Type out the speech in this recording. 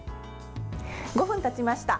５分たちました。